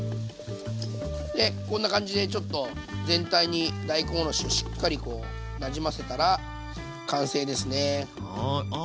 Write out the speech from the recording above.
でこんな感じでちょっと全体に大根おろしをしっかりなじませたら完成ですね。